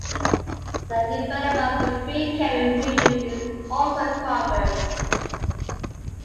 The development of the Free Kevin movement is also covered.